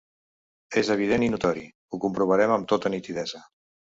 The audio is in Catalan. És evident i notori, ho comprovarem amb tota nitidesa.